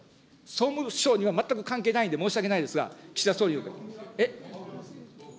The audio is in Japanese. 総務省には全く関係ないんで、申し訳ないですが、岸田総理。